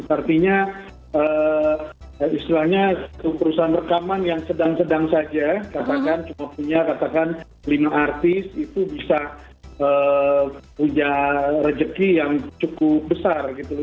artinya istilahnya perusahaan rekaman yang sedang sedang saja katakan cuma punya katakan lima artis itu bisa punya rezeki yang cukup besar gitu loh